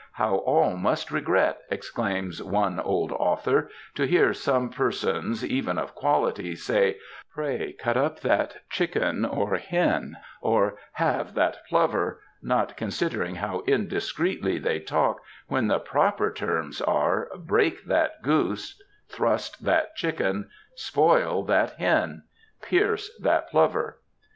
^^ How all must regret," exclaims one old author, *^ to hear some Persons, even of quality, say, * pray cut up that chicken or hen,' or * halve that plover,' not considering how indiscreetly they talk, when the proper terms are ŌĆö * break that goose,' * thrust that chicken,' * spoil that hen,' * pierce that plover.'